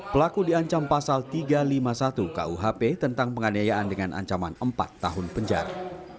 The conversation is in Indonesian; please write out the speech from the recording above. pelaku diancam pasal tiga ratus lima puluh satu kuhp tentang penganiayaan dengan ancaman empat tahun penjara